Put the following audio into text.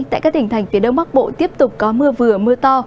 tại các tỉnh thành phía đông bắc bộ tiếp tục có mưa vừa mưa to